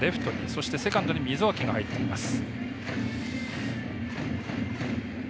そして、セカンドに溝脇が入っています。